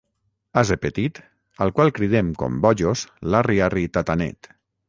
Ase petit al qual cridem com bojos l'arri arri tatanet.